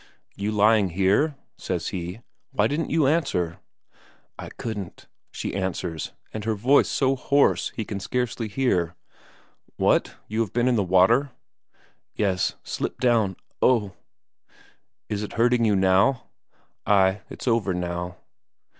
"You lying here?" says he. "Why didn't you answer?" "I couldn't," she answers, and her voice so hoarse he can scarcely hear. "What you been in the water?" "Yes. Slipped down oh!" "Is it hurting you now?" "Ay it's over now."